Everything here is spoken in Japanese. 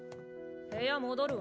部屋戻るわ。